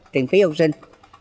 tiền phí học sinh